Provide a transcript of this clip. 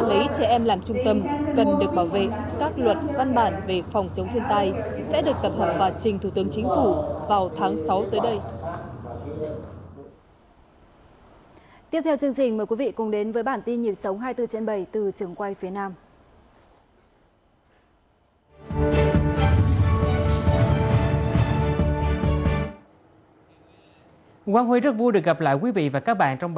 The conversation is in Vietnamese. lấy trẻ em làm trung tâm cần được bảo vệ các luật văn bản về phòng chống thiên tai sẽ được tập hợp vào trình thủ tướng chính phủ vào tháng sáu tới đây